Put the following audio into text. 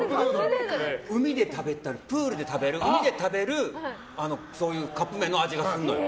海で食べたりプールで食べるそういうカップ麺の味がするのよ。